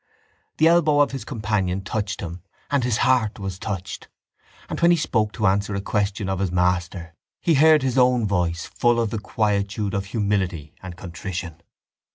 The elbow of his companion touched him and his heart was touched: and when he spoke to answer a question of his master he heard his own voice full of the quietude of humility and contrition.